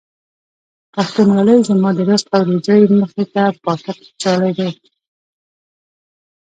پښتونولۍ زما د رزق او روزۍ مخې ته پاټک اچولی دی.